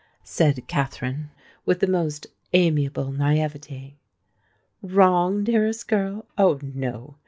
said Katherine, with the most amiable naïveté. "Wrong, dearest girl! oh, no!"